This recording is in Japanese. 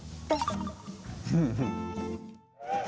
フフフ！